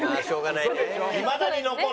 いまだに残る。